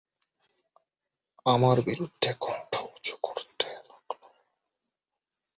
আমার বিরুদ্ধে কণ্ঠ উচু করতে লাগল।